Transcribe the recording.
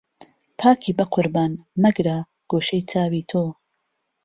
پاکی به قوربان، مهگره، گۆشهی چاوی تۆ